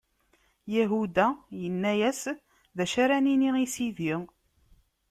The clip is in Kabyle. Yahuda yenna-yas: D acu ara nini i sidi?